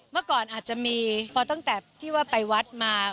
เมื่อก่อนอาจจะมีพอตั้งแต่ที่ว่าไปวัดมา